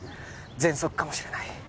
ぜんそくかもしれない